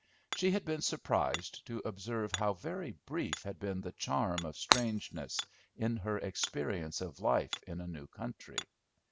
She had been surprised to observe how very brief had been the charm of strangeness, in her experience of life in a new country.